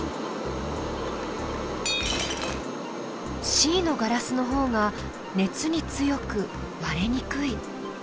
Ｃのガラスのほうが熱に強く割れにくい。